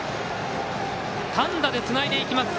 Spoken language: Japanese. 単打でつないでいきます。